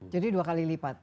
jadi dua kali lipat